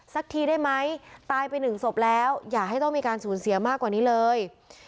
สักทีได้ไหมตายไปหนึ่งศพแล้วอย่าให้ต้องมีการสูญเสียมากกว่านี้เลย